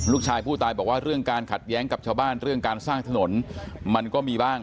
ลูกชายผู้ตายบอกว่าเรื่องการขัดแย้งกับชาวบ้านเรื่องการสร้างถนนมันก็มีบ้าง